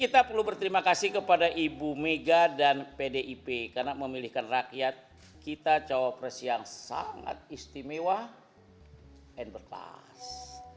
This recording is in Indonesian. terima kasih kepada ibu mega dan pdip karena memilihkan rakyat kita cowok pres yang sangat istimewa dan berkelas